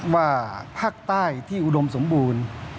ว่าภาคใต้ที่อุดมสมบูรณ์